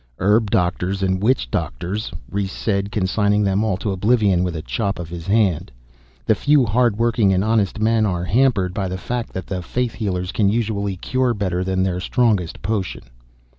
"Herb doctors and witch doctors," Rhes said, consigning them all to oblivion with a chop of his hand. "The few hard working and honest men are hampered by the fact that the faith healers can usually cure better than their strongest potion."